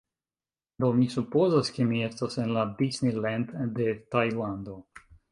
Do, mi supozas, ke mi estas en la Disney Land de Tajlando